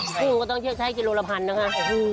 กุ้งก็ต้องเชื่อชัยกินลูกละพันธุ์นะคะ